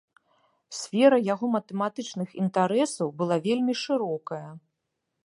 Сфера яго матэматычных інтарэсаў была вельмі шырокая.